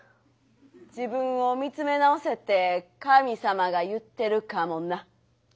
自分を見つめ直せって神様が言ってるかもな。